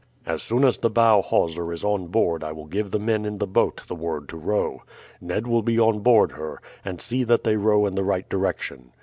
As soon as the bow hawser is on board I will give the men in the boat the word to row. Ned will be on board her, and see that they row in the right direction.